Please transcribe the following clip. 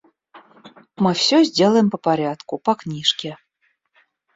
Мы всё сделаем по порядку, по книжке.